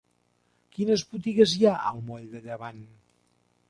Quines botigues hi ha al moll de Llevant?